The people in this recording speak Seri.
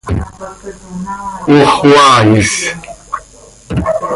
¡Ox xoaa is!